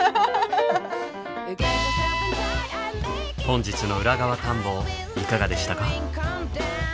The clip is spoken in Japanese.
本日の裏側探訪いかがでしたか？